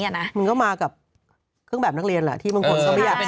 มันก็มากับเครื่องแบบนักเรียนที่บางคนเขาไม่อยากใส่